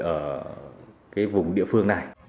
ở cái vùng địa phương này